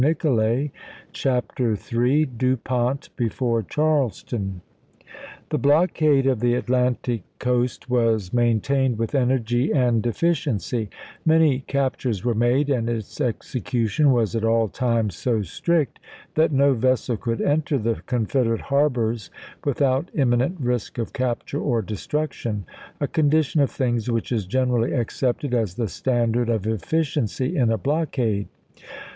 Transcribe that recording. Autograph CHAPTER III DU PONT BEFORE CHARLESTON chap, iil f 1 1HE blockade of the Atlantic coast was main JL tained with energy and efficiency ; many cap tures were made, and its execution was at all times so strict that no vessel could enter the Confederate harbors without imminent risk of capture or de struction — a condition of things which is generally accepted as the standard of efficiency in a blockade.